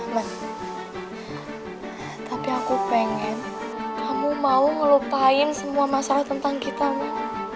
tapi aku pengen kamu mau ngelupain semua masalah tentang kita mah